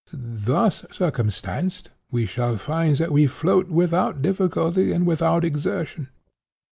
Thus circumstanced, we shall find that we float without difficulty and without exertion.